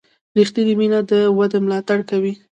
ریښتینې مینه د ودې ملاتړ کوي.